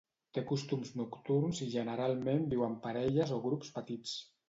Té costums nocturns i generalment viu en parelles o grups petits.